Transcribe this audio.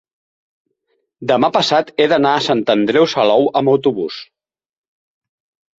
demà passat he d'anar a Sant Andreu Salou amb autobús.